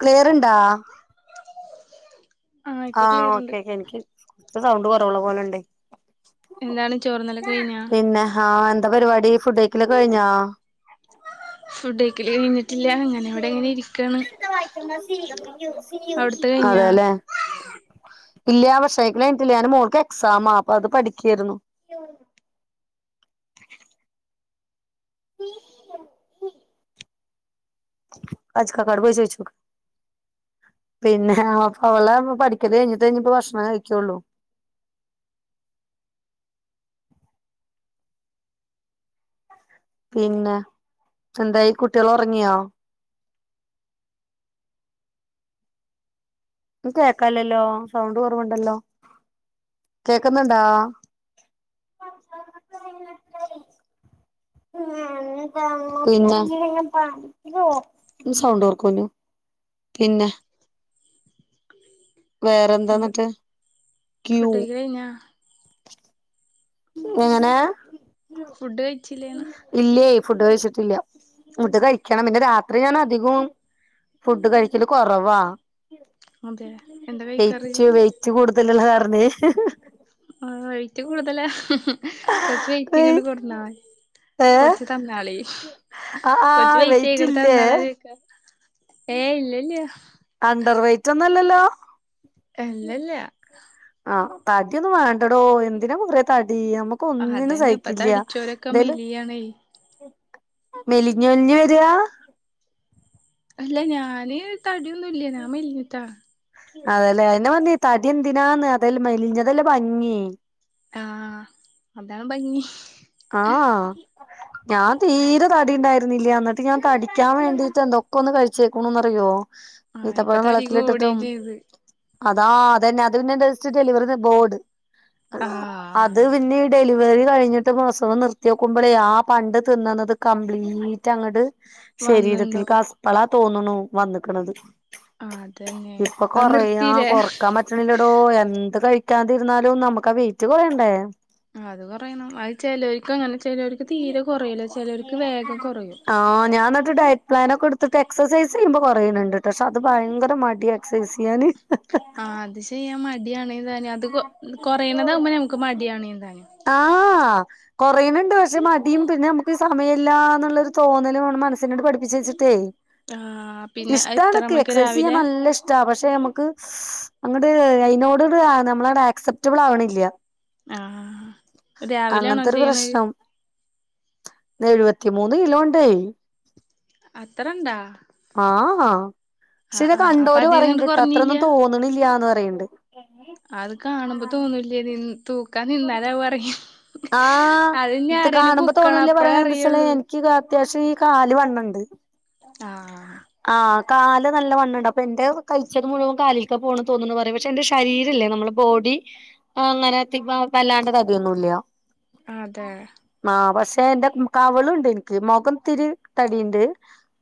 ക്ലിയർണ്ടാ ഇപ്പൊ ആഹ് ക്ലിയർണ്ട് ഓക്കേ എനിക്ക് കുറച്ച് സൗണ്ട് കുറവുള്ള പോലെണ്ട്. നിങ്ങള് ചോറ്ന്നലോക്കെ കഴിഞ്ഞ? പിന്നെ ആഹ് എന്താ പരിപാടി ഫുഡ്യ്ക്കെലൊക്കെ കഴിഞ്ഞോ? ഫുഡ് ക്കല് കഴിഞ്ഞിട്ടില്ല അങ്ങനെ വിടെ ങ്ങനെ ഇരിക്കാണ് അവിടത്തെ കഴിഞ്ഞോ അതെല്ലേ ഇല്ല ഭക്ഷണം കഴിക്കലയിഞ്ഞിട്ടില്ല ഞാൻ മോൾക്ക് എക്സാം ആ അപ്പ അത് പഠിക്കയിരുന്നു. അജുകാക്കാട് പോയി ചോയിച്ചോക്ക്‌ പിന്നെ അപ്പവളെ പഠിക്കല് കഴിഞ്ഞിട്ടേ ഇഞ്ഞ്പ്പൊ ഭക്ഷണം കഴിക്കൊള്ളൂ. പിന്നെ എന്തായി കുട്ട്യേള് ഒറങ്യോ ഇപ്പ കേക്കാലല്ലോ സൗണ്ട് കൊറവ്ണ്ടല്ലോ കേക്ക്‌ന്ന്ണ്ടോ പിന്ന സൗണ്ട് കൊറക്കോനോ എന്ത് വേറെന്താന്നെട്ട് ക്യൂ ഫുഡ് കഴിക്കല് കഴിഞ്ഞാ എങ്ങനെ ഫുഡ് കഴിച്ചില്ലേന്ന് ഇല്ലേ ഫുഡ് കഴിച്ചിട്ടില്ല ഫുഡ് കഴിക്കണം പിന്നെ രാത്രി ഞാൻ അധികും ഫുഡ് കഴിക്കല് കൊറവാ അതെ എന്താ കഴിക്കാറ് വെയിറ്റ് വെയ് റ്റ് കൂട്തല്ള്ള കാരണെ ഓഹ് വെയിറ്റ് കൂടുതലാ കൊറച്ച് വെറ്റിങ്ങട്ട് കൊട്ന്നാളെ ഏ കൊറച്ച് തന്നാളി ആ ആ കൊറച്ച് വെയ്റ്റേ വെയിറ്റ് ഇങ്ങട്ട് ഇല്ലേ തന്നാളാ ചോയിക്ക ഏയ്‌ ഇല്ലല്യാ അണ്ടർ വെയിറ്റൊന്നല്ലല്ലോ അല്ലല്ല ആഹ് തടിയൊന്നും വേണ്ടടോ എന്തിനാ കൊറേ തടി നമ ക്കൊന്നിനും അതന്നെ ഇപ്പത്തെ സഹിക്കില്ല്യ അടിച്ചോരൊക്കെ എന്തേലും മെലിയാണേ മെലിഞ്ഞ് മെലിഞ്ഞ് വെരാ അല്ല ഞാന് തടിയൊന്നുല്ല ഞാ മെലിഞ്ഞിട്ടാ അതെല്ലേ അയിന്നെ പറഞ്ഞെ തടി എന്തിനാന്ന് അതല്ലേ മെലിഞ്ഞതല്ലേ ഭംഗി ആഹ് അതാണ് ഭംഗി ആഹ് ഞാൻ തീരെ തടി ഇണ്ടായിരുന്നില്ലേ എന്നിട്ട് ഞാൻ തടിക്കാൻ വേണ്ടിട്ട് എന്തൊക്കൊന്ന് കഴിച്ചേക്ക്ണുന്ന്റിയോ ആഹ് ഇപ്പ ഈത്തപ്പഴം തടി വള്ളത്തിലിട്ടിട്ടും കൂടുകയും ചെയ്ത് അതാ അതന്നെ അത് പിന്നെ ഡസ്റ്റ് ഡെലിവറിന്റബോർഡ് ആ അത് ആഹ് പിന്നിം ഡെലിവറി കഴിഞ്ഞ് ട്ട് പ്രസവം നിർത്തിയോക്കുമ്പളെ ആ പണ്ട് തിന്ന്ന്നത് കംപ്ലീറ്റ്ങ്ങട് ശരീരത്തില്ക്ക് വന്നിണ്ടാവും അപ്പളാ തോന്ന്ണു വന്ന്ക്ക്‌ണത് അതന്നെ ഇപ്പൊ അത് കൊറയാ നിർത്തില്ലേ കൊറക്കാൻ പ റ്റ്ണ്ല്ലടോ എന്ത് കഴിക്കാതിരുന്നാലും നമുക്കാ വെയിറ്റ് കൊറയണ്ടേ അത് കൊറയണം അത് ചെലോര്ക്ക്‌ങ്ങനെ ചെലോര്ക്ക് തീരെ കൊറയില്ലാ ചെലോര്ക്ക് വേഗം കൊറയും ആഹ് ഞാൻ ഇന്നെട്ട് ഡയറ്റ് പ്ലാനൊക്കെട്ത്ത്ട്ട് എക്സൈസ് ചെയ്യുമ്പോ കൊറീണ് ഇണ്ട്ട്ടോ പക്ഷെ അത് ഭയങ്കര മട്യാ എക്സൈസെയ്യാന് ആഹ് അത് ചെയ്യാൻ മടിയാണേതാനും അത് കൊ കൊറീണതാവുമ്പോ നമുക്ക് മടിയാണേതാനും ആഹ് കൊറീണ് ഇണ്ട് പക്ഷെ മടീം പിന്നെ നമുക്ക് സമയമല്ലാന്ന്ള്ളരു തോന്നലുമ്മടെ മനസ്സിനാണ്ട് പഠിപ്പിച്ച് വെച്ച്ട്ടേ ആഹ് പിന്നെ എത്ര ഇഷ്ടാണ്ക്ക് മണിക്ക് എക്സസൈസെയ്യാൻ രാവിലെ നല്ല ഇഷ് ട്ടാ പക്ഷെ നമക്ക് അങ്ങട്ട് അയിനോട് നമ്മളാണ്ട് ആക്സെപ്റ്റബിൾ ആവ്ണില്ല ആഹ് രാവിലെയാണോ ചെയ്യ്ണത് ഇത് എഴ്പത്തിമൂന്ന് കിലോണ്ടേ അത്രണ്ടാ ആഹ് ഹാ പക്ഷെ ആഹ് ഇന്നെ ആഹ് അപ്പൊ കണ്ടോര് അതീന്നിണ്ട് പറിയ്ണ്ട്ട്ടോ അത്രന്നും കൊറഞ്ഞില്ല തോ ന്ന്ണില്യാന്ന് പറയ്ണ്ട് അത് കാണുമ്പോ തോന്നൂല്യേ നി തൂക്കാ നിന്നാലാവും അറിയ ആഹ് ത് കാണുമ്പ തോന്നൂല അപ്പഴേ പറയാ കരണന്തച്ചാല് അറിയുള്ളൂ എനിക്ക് കാ അത്യാവശ്യം ഈ കാല് വണ്ണണ്ട് ആഹ് ആ കാല് നല്ല വണ്ണണ്ട് അപ്പൊ ന്റെ കയിച്ചത് മുഴുവം കാലില്ക്കാ പോണൊന്ന് തോന്ന്ണു പറിം പക്ഷെ എന്റെ ശരീരംല്ലേ നമ്മള് ബോഡി അങ്ങനെ [unintelligible] വല്ലാണ്ടത് അടിന്നുല്ല [unintelligible] അ തേ മാ പക്ഷെ ന്റെ കവ്ള്ണ്ട് നിക്ക് മൊഖത്തിരി തടിയിണ്ട്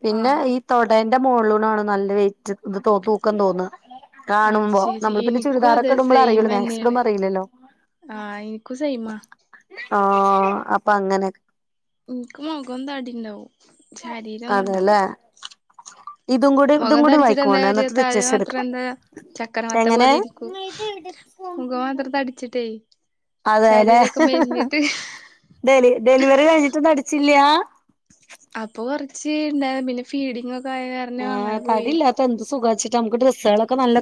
പിന്നെ ആഹ് ഈ തൊടേന്റെ മോളൂണാണ് നല്ല വെയിറ്റ് ന്ന് തൊ തൂക്കം തോന്ന അത് കാണുമ്പോ ശരി നമ്മൾ പിന്നെ എനിക്കും ചുരിദാറൊ അതെ ക്കെടുമ്പോൾ അറിയൊള്ളു മാക്സി ടുമ്പോ അറീല്ലല്ലോ ആ ഇൻക്കുസെയ്മ ആ അപ്പ അങ്ങനെ ഇൻക് മൊഖം തടിണ്ടാവും അതേ ല്ലേ മൊഖം തടിച്ചിട്ട് എന്താ കാര്യ താഴെ എടുക്കാം മാത്രന്താ ചക്കര മത്ത എങ്ങനെ പോലെ ഇരിക്കും മുഖമാത്ര തടിച്ചിട്ടേ അതെല്ലേ ശരീരൊക്കെ [unintelligible] മെലിഞ്ഞിട്ട് ഡെലി ഡെലിവറി കഴിഞ്ഞിട്ടും തടിച്ചില്ലാ അപ്പൊ കൊറച്ച് ഇണ്ടാര് പിന്നെ ഫീഡിംഗൊക്കെ ആ തടില്ലാത്ത ന്ത് സുഖാച്ചിട്ടാ മക്ക് ഡ്രസ്സാളൊ ക്കെ നല്ല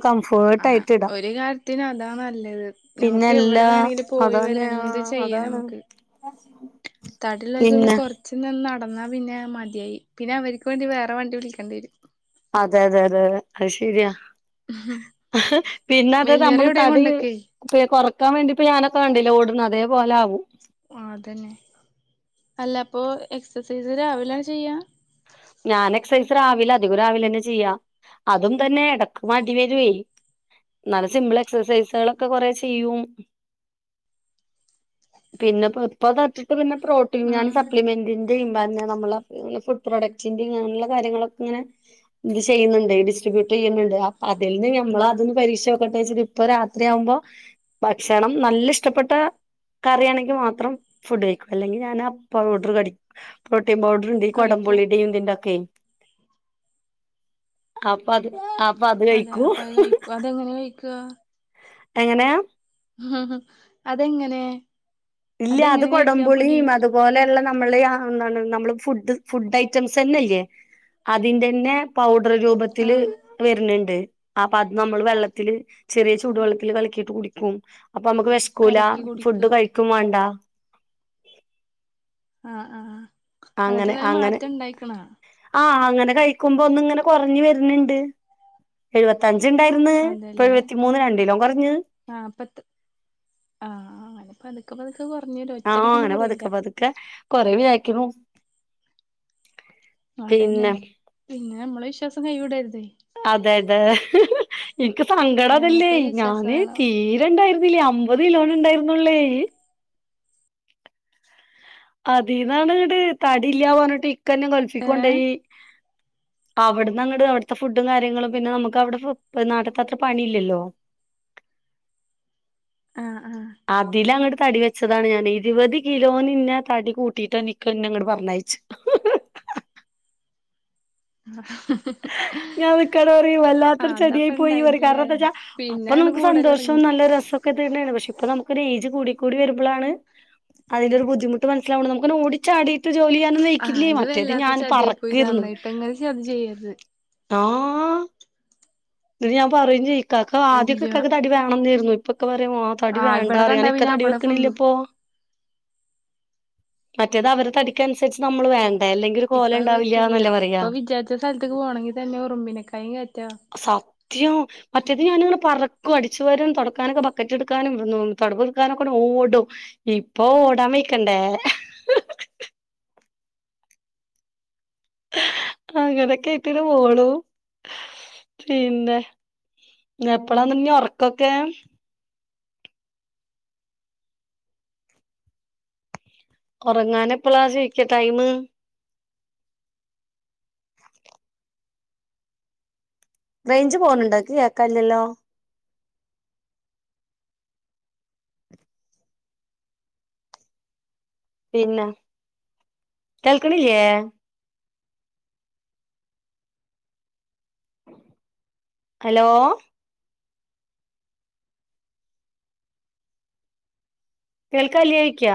ആഹ് കംഫേർട്ടായിട്ട് ഇടാം ഒരു കാര്യത്തിന് അതാ നല്ലത് പിന്നെ നമുക്ക് എവിടെ ല്ലാ വേണമെങ്കിലും പോയി വരാ അതന്നെയാ എന്ത് അതാണ് തടില്ലോല്ക്ക് പിന്നെ കൊർ ച്ച് ന്നാ നടന്നാ പിന്നെ മതിയായി പിന്നെ അവർക്ക് വേണ്ടി വേറെ വണ്ടി വിളിക്കേണ്ടി വരും അതെ തെ തെ ലെ ലെ അത് ശെരിയാ വരും [unintelligible] പിന്നെ അത് വല്യോരെ നമ്മൾ എവിടെ തടി കൊണ്ടൊക്കെ പ് കൊറക്കാൻ വേണ്ടിപ്പഞാനൊക്കെ കണ്ടില്ലേ ഓട്ണേ അതേപോലാകും ആ തന്നെ അല്ല പ്പോ എക്സസൈസ് രാവില ചെയ്യാ ഞാൻ എക്സൈസ് രാവിലെ അധികം രാവിലെ ന്നെ ചെയ്യാ അതും തന്നെ എടക്ക് മടി വരുവേ ന്നാലും സിമ്പിൾ എക്സസൈസാൾക്കെ കൊറെ ചെയ്യും പിന്നെപ്പൊ പ്പൊ തടിചിട്ട് പിന്നെ പ്റൊ ട്ട് ഞാൻ ആഹ് സപ്ലിമെന്റിന്റിം ബ നമ്മള ഫുഡ് പ്രൊഡക്റ്റിന്റിം നെല്യാ കാര്യങ്ങളൊക്കെ ങ്ങനെ ത് ചെയ്യുന്ന്ണ്ട് ഡിസ്ട്രിബ്യുട്ട് യ്യ്ന്ന്ണ്ട് അപ്പ അതിൽന്ന് ഞമ്മള അതൊന്ന് പരീക്ഷോക്കട്ടെ ച്ച് പ്പൊ രാത്രിയാവുമ്പോ ഭക്ഷണം നല്ല ഇഷ്ടപ്പെട്ടാ കറിയാണെങ്കി മാത്രം ഫുഡ് കഴിക്കും അല്ലെങ്കിൽ ഞാൻ ആ പൗഡർ കടി പ്രോട്ടീൻ പൗഡർണ്ട് ഈ കഴിക്കും കൊടംപുളിടെയും യുനിന്തക്കെ അപ്പ അത് അപ്പത് അതെ കഴിക്കൂ അപ്പൊ അത് ഹ് ഹ് കഴിക്കും അതെങ്ങനെ കഴിക്ക എങ്ങനെ മ് ഹ് ഹ് അതെങ്ങനെ ഇല്ല്യ അത് അതെങ്ങനെ കഴിക്കാ പൊടി കൊടംപുളിം അത് പോലെയുള്ള നമ്മള് എ [unintelligible] ന്താണ് നമ്മള് ഫുഡ് ഫുഡ് ഐറ്റംസന്നെല്ലേ അതിന്റെന്നെ പൗഡർ രൂപത്തിൽ ആഹ് വര്ന്ണ്ട് അപ്പ അത് നമ്മൾ വെള്ളത്തിൽ ചെറിയ ചൂടുവെള്ളത്തിൽ കലക്കിട്ട് കുടിക്കും അപ്പൊ മ്മുൾക്ക് വെശക്കൂല കലക്കി ഫുഡ് കുടിക്കുക കഴിക്കും വേണ്ട ആ ആ അങ്ങനെ അന്നിട്ട്ന്നായി അങ്ങനെ മാറ്റംണ്ടായിക്ക്ണൊ ആ അങ്ങനെ കഴിക്കുമ്പോ ഒന്ന് ങ്ങനെ കൊറഞ്ഞ് വര്ന്ന്ണ്ട് എഴുപത്തഞ്ച് ണ്ടായിര് ന്ന് ഇപ്പൊ എഴുപത്തിമൂന്ന രണ്ടിലോ കൊറഞ്ഞ് ആ പ്പത്തും ആ അങ്ങനെ പന്ക്കമത് ഇത് കൊറഞ്ഞ്ട് ആ ങ്ങനെ പതുക്കെ പതുക്കെ കൊറയും വിയായിക്ക്ണു അതന്നെ പിന്നെ നമ്മളെ വിശ്വാസം കൈവിടരുതെ അതെ തെ എനിക്ക് സങ്കട അതല്ലേ ഞമ്മുക്കൊരു വിശ്വാസം ഞാന് വേണം തീരെ ണ്ടായിരുന്നില്ലേ അമ്പത് കിലോൺ ണ്ടായിരുന്നൊള്ളേ അതീന്നാണ് ഇങട് തടി ഇല്ലാ പറഞ്ഞിട്ട് ഇക്കന്നെ ഗൾഫി ഏഹ് കൊണ്ടോയി അവിടുന്ന് അങ്ങട് അവിടുത്തെ ഫുഡും കാര്യങ്ങളും പിന്നെ നമുക്ക് അവിടെ നാട്ട്ത്തെ അത്ര പണിയില്ലല്ലോ ആഹ് ആഹ് അതിലങ്ങട്ട് തടി വെച്ചതാണ് ഞാന് ഇരുപത് കിലോ ഇന്നെ തടി കൂട്ടിട്ടാണ് ഇക്കന്നെ ഇങ്ങട് പറഞ്ഞയച്ച് [inaudible] ഞാൻ ഇക്കാനൊട് പറയും ആഹ് വല്ലാത്തൊരു അതാപ്പ ചതിയായി പോയിന്ന് പറയും കാരണം ഇണ്ടായതില്ലേ എന്താ വെച്ചാ അപ്പൊ പിന്നെ അങ്ങട് നമുക്ക് കൂടല് സന്തോഷവും തൊടങ്ങി നല്ല രസൊക്കെ തന്നാണ് പക്ഷെ ഇപ്പൊ നമുക്കൊരു ഏജ് കൂടി കൂടി വരുമ്പളാണ് അതിന്റൊരു ബുദ്ധിമുട്ട് മനസിലാവണെ നമുക്കങ്ങനെ ഓടി ചാടി ട്ട് ജോലി ചെയ്യാനൊന്നും ആഹ് വെയ്ക്കില്ലേ അത് മറ്റത് ഞാൻ പറക്കായിരുന്നു ഇജ്ജ് ഒന്നും ചെയ്യരുത് ആഹ് ഇന്നിട്ട് ഞാൻ പറയും ചെയ്യും ഇക്കാക്ക് ആദ്യൊക്കെ ഇല്ല ഇക്കാക്ക് തടി വേണെന്നായിരുന്നു ഇപ്പൊ ഇക്ക പറയ വാ തടി ആഹ് വേണ്ടാ ഇവിടെ പറയ കണ്ടാ കാരണം ഇക്ക പിന്നെ തടി അവിടെ വെക്കണില്ല പൊന്തും ഇപ്പൊ മറ്റത് അവരെ തടിക്ക് അനുസരിച്ച് നമ്മള് വേണ്ടേ അല്ലെങ്കിൽ കോലം ഇണ്ടാവില്ലന്നല്ലേ പറയാ ഒരു സ്ഥലത്ത്ക്ക് പോണെങ്കിൽ തന്നെ ഉറുമ്പിനെകായും കേറ്റ സത്യം മറ്റത് ഞാന്ങ്ങനെ പറക്കും അടിച്ചു വാരും തുടക്കാനൊക്കെ ബക്കറ്റ് എടുക്കാനും [unintelligible] എടുക്കാനൊക്കെ ഓടും ഇപ്പൊ ഓടാൻ വെയ്ക്കണ്ടേ അങ്ങനെ ക്കായിട്ടാണ് പോണു പിന്നെ എപ്പളാനി ഒറക്കൊക്കെ ഒറങ്ങാനെപ്പളാ സീക്ക് ടൈമ് റേഞ്ച് പോണുണ്ടോ ഇക്ക് കേക്കാല്ലല്ലോ പിന്നെ കേൾക്ക്‌ണില്ലേ ഹലോ കേൾക്കാല്ല്യേ ചോയ്ക്ക